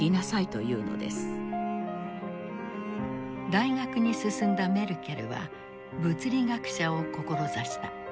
大学に進んだメルケルは物理学者を志した。